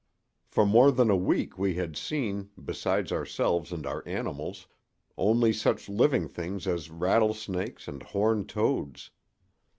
For more than a week we had seen, besides ourselves and our animals, only such living things as rattlesnakes and horned toads.